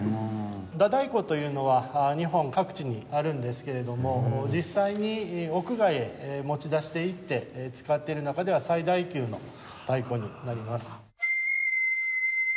太鼓というのは日本各地にあるんですけれども実際に屋外へ持ち出していって使っている中では最大級の太鼓になります。